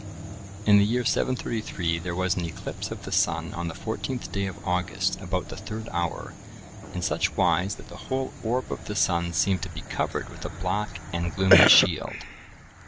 ] In the year 733, there was an eclipse of the sun on the 14th day of August about the third hour, in such wise that the whole orb of the sun seemed to be covered with a black and gloomy shield.